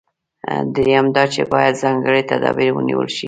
درېیم دا چې باید ځانګړي تدابیر ونیول شي.